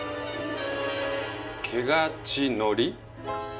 「けがちのり」？